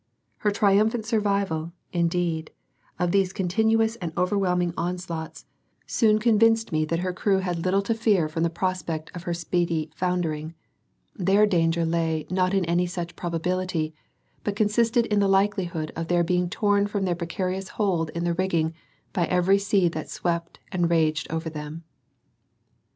Her triumphant survival, indeed, of these continuous and overwhelming onslaughts soon convinced me that her crew had little to fear from the prospect of her speedy foundering; their danger lay not in any such probability, but consisted in the likelihood of their being torn from their precarious hold in the rigging by every sea that swept and raged over them.